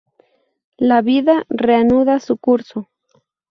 La vida reanuda su curso.